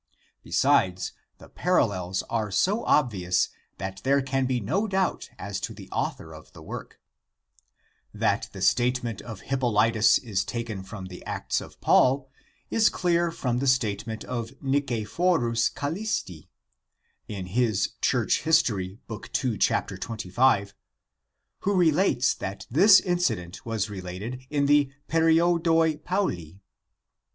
Besides, the parallels are so obvious that there can be no doubt as to the author of the work. That the state ment of Hippolytus is taken from the Acts of Paul is clear from the statement of Nicephorus Callisti {Church history, II, 25 in Migne, " Patrologia Grseca," Vol. CXLV, Col. 821 824, Paris 1865 ),i who relates that this incident was re lated in the Periodoi Pauli.